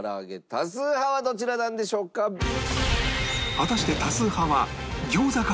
果たして多数派は餃子か？